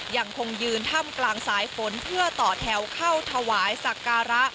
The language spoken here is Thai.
ยังคงยืนถ้ำกลางสายฝนเพื่อต่อแถวเข้าถวายสักการะ